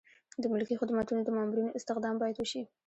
د ملکي خدمتونو د مامورینو استخدام باید وشي.